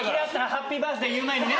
ハッピーバースデー言う前にね